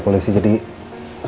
kekotaan apa rupiah